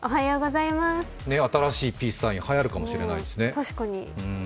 新しいピースサインはやるかもしれないですね